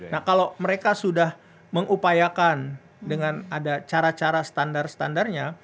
nah kalau mereka sudah mengupayakan dengan ada cara cara standar standarnya